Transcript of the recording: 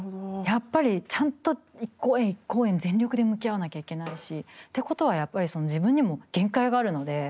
やっぱりちゃんと一公演一公演全力で向き合わなきゃいけないしってことはやっぱり自分にも限界があるので。